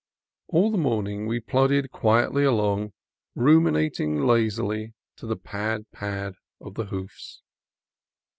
All the morning we plodded quietly along, rumi nating lazily to the pad, pad, of the hoofs.